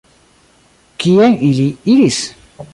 Kien ili iris?